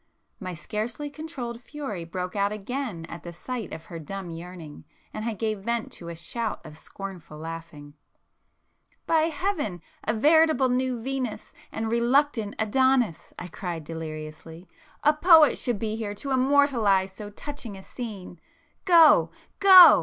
My scarcely controlled fury broke out again at the sight of her dumb yearning, and I gave vent to a shout of scornful laughter. [p 375]"By heaven, a veritable new Venus and reluctant Adonis!" I cried deliriously—"A poet should be here to immortalize so touching a scene! Go—go!"